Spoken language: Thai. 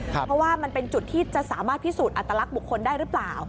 เพราะว่ามันเป็นจุดที่จะสามารถพิสูจน์อัตลักษณ์บุคคลได้หรือเปล่า